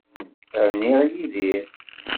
Rniɣ Yidir.